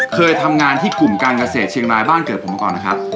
เคยทำงานที่กลุ่มการเกษตรเชียงรายบ้านเกิดผมมาก่อนนะครับ